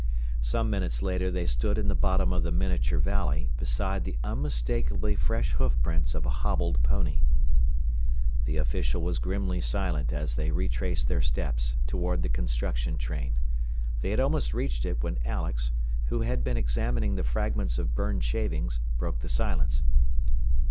Some minutes later they stood in the bottom of the miniature valley, beside the unmistakably fresh hoofprints of a hobbled pony. The official was grimly silent as they retraced their steps toward the construction train. They had almost reached it when Alex, who had been examining the fragments of burned shavings, broke the silence.